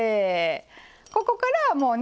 ここからはもうね